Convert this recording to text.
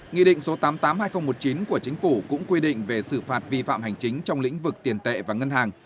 nghị định số tám mươi tám hai nghìn một mươi chín của chính phủ cũng quy định về xử phạt vi phạm hành chính trong lĩnh vực tiền tệ và ngân hàng